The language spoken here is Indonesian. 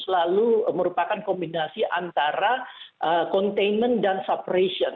lalu merupakan kombinasi antara containment dan separation